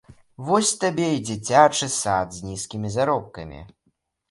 Вось табе і дзіцячы сад з нізкімі заробкамі!